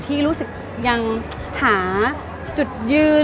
ที่รู้สึกยังหาจุดยืน